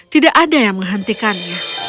tidak ada yang menghentikannya